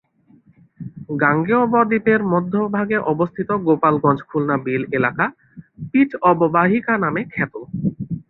গাঙ্গেয় বদ্বীপের মধ্যভাগে অবস্থিত গোপালগঞ্জ-খুলনা বিল এলাকা পিট অববাহিকা নামে খ্যাত।